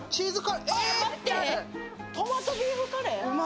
トマトビーフカレー？